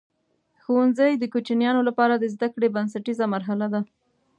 ښوونځی د کوچنیانو لپاره د زده کړې بنسټیزه مرحله ده.